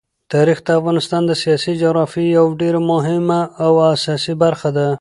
تاریخ د افغانستان د سیاسي جغرافیې یوه ډېره مهمه او اساسي برخه ده.